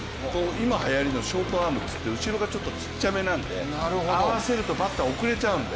今はやりのショートアームっていって、後ろがちょっと小さめなので合わせるとバッターは遅れちゃうので。